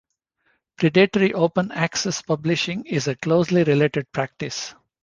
Predatory open access publishing is a closely related practice.